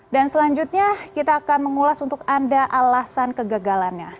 dan selanjutnya kita akan mengulas untuk anda alasan kegagalannya